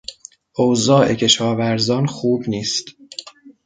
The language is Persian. اوضاع کشاورزان خوب نیست.